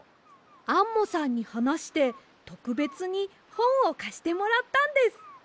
アンモさんにはなしてとくべつにほんをかしてもらったんです。